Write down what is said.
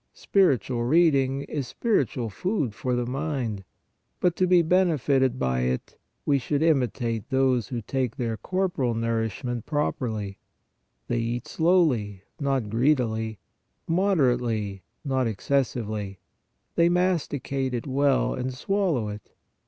Spiritual reading is spiritual food for the mind. But to be benefited by it, we should imi tate those who take their corporal nourishment prop erly. They eat slowly, not greedily; moderately, not excessively; they masticate it well and swallow it.